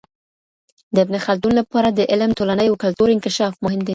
د ابن خلدون لپاره د علم د ټولني او کلتور انکشاف مهم دی.